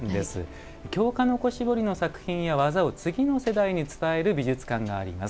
京鹿の子絞りの技や作品を次の世代に伝える美術館があります。